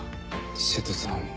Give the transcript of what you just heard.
瀬戸さん